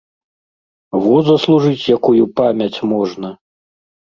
Во заслужыць якую памяць можна!